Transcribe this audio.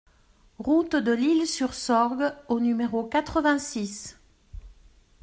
Route de l'Isle Sur Sorgue au numéro quatre-vingt-six